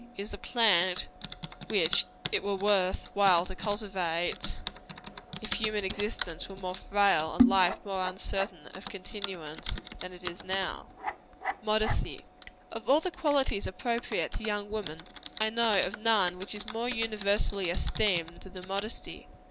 It is a plant which it were worth while to cultivate, if human existence were more frail, and life more uncertain of continuance than it now is. MODESTY. Of all the qualities appropriate to young women, I know of none which is more universally esteemed than modesty.